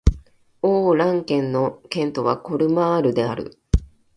オー＝ラン県の県都はコルマールである